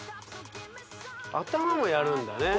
頭もやるんだね